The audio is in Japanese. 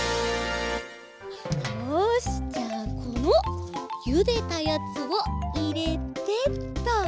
よしじゃあこのゆでたやつをいれてっと。